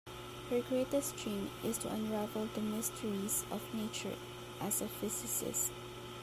Her greatest dream is to unravel the mysteries of nature as a physicist.